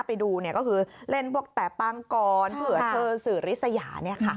ไปดูก็คือเล่นพวกแต่ปังกรเผื่อเธอสื่อริสยา